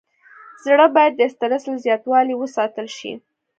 زړه باید د استرس له زیاتوالي وساتل شي.